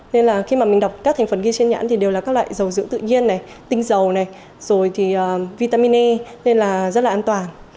nên là khi mà mình đọc các thành phần ghi trên nhãn thì đều là các loại dầu dưỡng tự nhiên này tinh dầu này rồi thì vitamin e nên là rất là an toàn